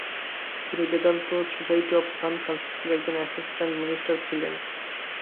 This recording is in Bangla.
তিনি বেদান্ত সোসাইটি অফ সান ফ্রান্সিসকোর একজন অ্যাসিস্ট্যান্ট মিনিস্টার ছিলে।